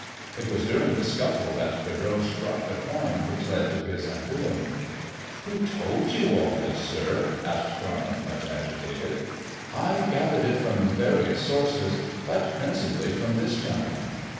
It was during the scuffle that Pedroche dropped the coin which led to his undoing." "Who told you all this, sirl" asked Tormouth, much agitated. "I gathered it from various sources, but principally from this gentleman."